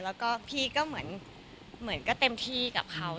แล้วก็พี่ก็เหมือนก็เต็มที่กับเขา